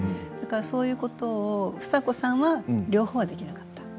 そういうことを房子さんは両方できなかった。